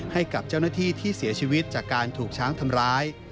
ให้กับเจ้าหน้าที่ที่เสียชีวิตจากการถูกช้างทำร้าย